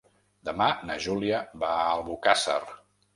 Demà na Júlia va a Albocàsser.